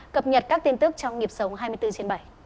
cập nhật các tin tức trong nghiệp sống hai mươi bốn h bảy